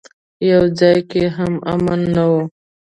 يو ځايګى هم امن نه و.